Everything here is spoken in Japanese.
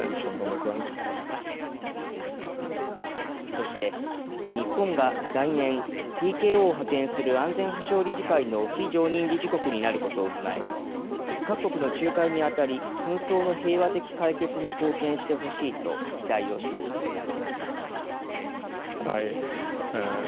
そして日本が来年、ＰＫＯを派遣する安全保障理事会の非常任理事国になることを踏まえ、各国の仲介にあたり、紛争の平和的解決に貢献してほしいと期待を示しました。